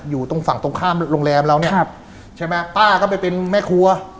อยู่ตรงฝั่งตรงข้ามโรงแรมเราเนี่ยครับใช่ไหมป้าก็ไปเป็นแม่ครัว